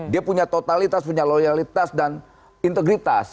dia punya totalitas punya loyalitas dan integritas